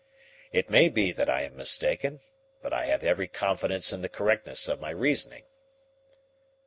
It may be that I am mistaken, but I have every confidence in the correctness of my reasoning."